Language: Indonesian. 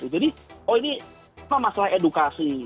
jadi oh ini apa masalah edukasi